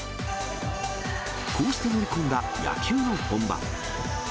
こうして乗り込んだ野球の本場。